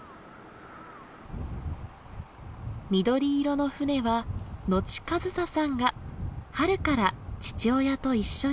緑色の船は野地一颯さんが春から父親と一緒に乗る船。